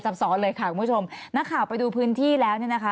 ซ้อนเลยค่ะคุณผู้ชมนักข่าวไปดูพื้นที่แล้วเนี่ยนะคะ